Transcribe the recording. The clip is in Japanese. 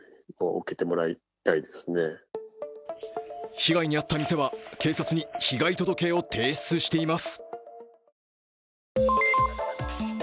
被害に遭った店は警察に被害届を提出しています。